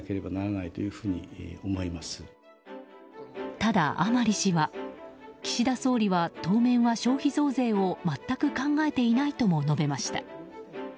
ただ甘利氏は岸田総理は当面は消費増税を全く考えていないとも述べました。